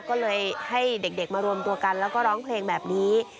ก็เลยให้เด็กมารวมตัวกันแล้วก็ร้องเพลงแบบนี้